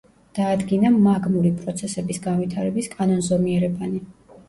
დაადგინა მაგმური პროცესების განვითარების კანონზომიერებანი.